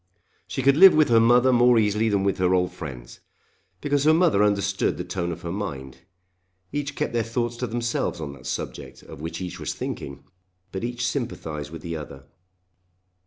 She could live with her mother more easily than with her old friends, because her mother understood the tone of her mind. Each kept their thoughts to themselves on that subject of which each was thinking; but each sympathised with the other.